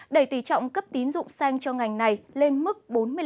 đẩy tỷ trọng cấp tín dụng xanh cho ngành này lên mức bốn mươi năm